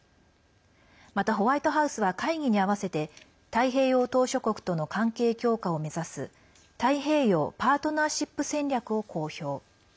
またホワイトハウスは会議に合わせて太平洋島しょ国との関係強化を目指す太平洋パートナーシップ戦略を公表。